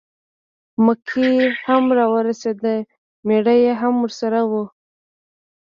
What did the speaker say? مکۍ هم را ورسېده مېړه یې هم ورسره و.